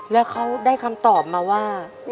แล้วเขาได้คำตอบมาว่า